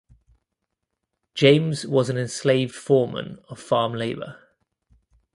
James was an enslaved foreman of farm labor.